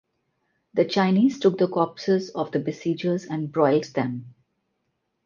The Chinese took the corpses of the besiegers and broiled them.